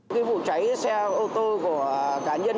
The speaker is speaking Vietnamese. cái vụ cháy xe ô tô của cá nhân